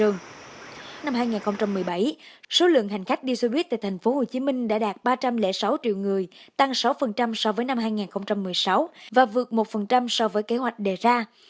năm hai nghìn một mươi bảy số lượng hành khách đi xe buýt tại tp hcm đã đạt ba trăm linh sáu triệu người tăng sáu so với năm hai nghìn một mươi sáu và vượt một so với kế hoạch đề ra